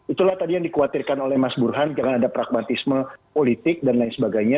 itulah tadi yang dikhawatirkan oleh mas burhan jangan ada pragmatisme politik dan lain sebagainya